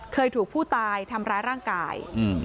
เคยถูกผู้ตายทำร้ายร่างกาย